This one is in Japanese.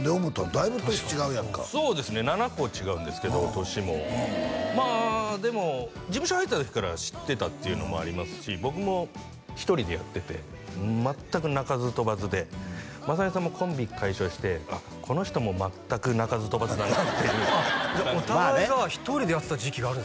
だいぶ年違うやんかそうですね７個違うんですけど年もまあでも事務所入った時から知ってたっていうのもありますし僕も１人でやってて全く鳴かず飛ばずで雅紀さんもコンビ解消してこの人も全く鳴かず飛ばずだなっていうお互いが１人でやってた時期があるんですか？